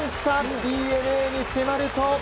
ＤｅＮＡに迫ると。